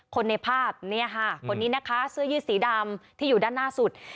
คนในภาพเนี่ยค่ะคนนี้นะคะเสื้อยืดสีดำที่อยู่ด้านหน้าสุด